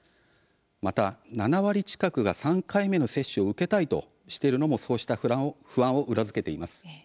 また７割近くが３回目の接種を受けたいとしているのもそうした不安を裏付けています。